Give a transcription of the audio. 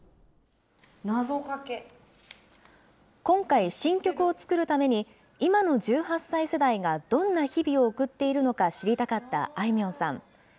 今回、新曲を作るために、今の１８歳世代がどんな日々を送っているのか知りたかったあいみょんさん。